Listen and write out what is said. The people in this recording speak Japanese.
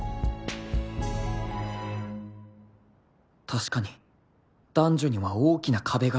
確かに男女には大きな壁がある